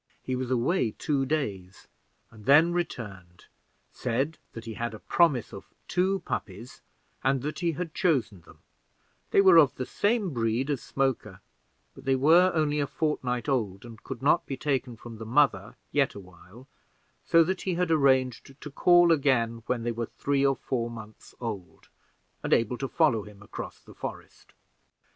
He was away two days, and then returned; said that he had a promise of two puppies, and that he had chosen them; they were of the same breed as Smoker, but they were only a fortnight old, and could not be taken from the mother yet awhile, so that he had arranged to call again when they were three or four months old, and able to follow him across the forest.